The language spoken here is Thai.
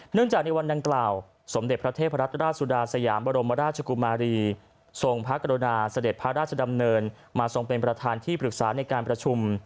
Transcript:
จากในวันดังกล่าวสมเด็จพระเทพรัตราชสุดาสยามบรมราชกุมารีทรงพระกรุณาเสด็จพระราชดำเนินมาทรงเป็นประธานที่ปรึกษาในการประชุม